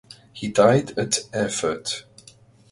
He died at Erfurt.